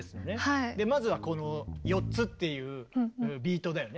まずはこの４つっていうビートだよね。